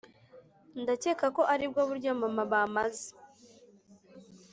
ndakeka ko aribwo buryo mama bameze.